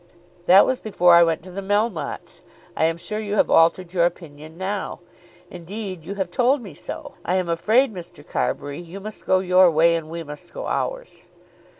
"That was before I went to the Melmottes. I am sure you have altered your opinion now. Indeed, you have told me so. I am afraid, Mr. Carbury, you must go your way, and we must go ours."